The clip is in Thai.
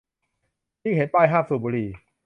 ยิ่งเห็นป้ายห้ามสูบบุหรี่